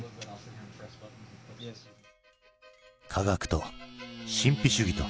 科学と神秘主義と。